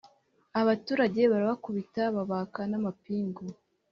abaturage barabakubita babaka n’amapingu